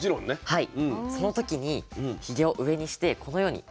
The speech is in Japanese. はい。